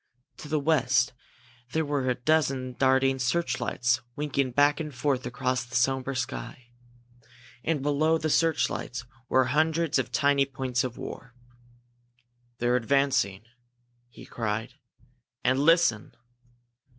To the west there were a dozen darting searchlights winking back and forth across the sombre sky. And below the searchlights were hundreds of tiny points of fire. "They're advancing!" he cried. "And listen!"